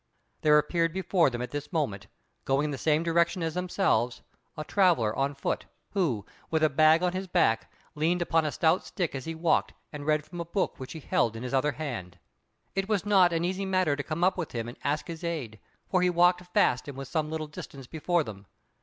There appeared before them at this moment, going in the same direction as themselves, a traveller on foot, who, with a bag on his back, leaned upon a stout stick as he walked and read from a book which he held in his other hand. It was not an easy matter to come up with him and ask his aid, for he walked fast, and was some little distance before them.